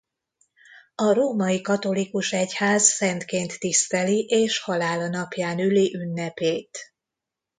A római katolikus egyház szentként tiszteli és halála napján üli ünnepét.